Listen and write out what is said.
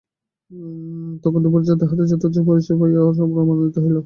তখন দ্রুপদরাজ তাঁহাদের যথার্থ পরিচয় পাইয়া পরম আনন্দিত হইলেন।